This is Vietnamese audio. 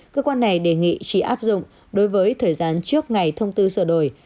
cơ quan này đề nghị chỉ áp dụng đối với thời gian trước ngày thông tư sửa đổi